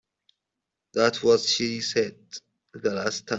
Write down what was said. That's what she said the last time.